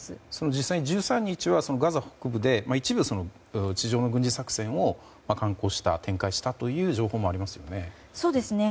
実際に１３日はガザ北部で一部、地上の軍事作戦を敢行した、展開したという情報もありますよね。